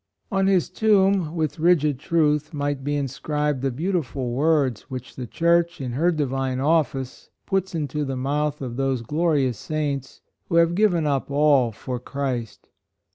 On his tomb, with rigid truth, might be inscribed the beautiful MONUMENT. 141 words which the Church, in her Divine office, puts into the mouth of those glorious saints who have given up all for Christ.